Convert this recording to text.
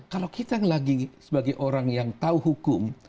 kalau kita yang lagi sebagai orang yang tahu hukum